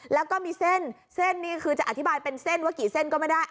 แล้วก็มีเส้นอธิบายเป็นเส้นว่ากี่เส้นก็ไม่ได้